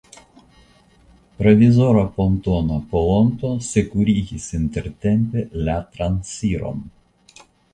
Provizora pontona poonto sekurigis intertempe la transiron.